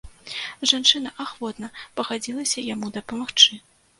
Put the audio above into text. Жанчына ахвотна пагадзілася яму дапамагчы.